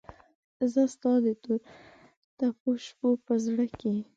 زه ستا دتوروتپوشپوپه زړه کې